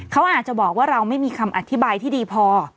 เขาอาจจะบอกว่าเราไม่มีคำอธิบายที่ดีพอ